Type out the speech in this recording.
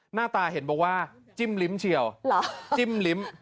หน้าตาเห็นบอกว่าจิ้มลิ้มเฉียวจิ้มลิ้ม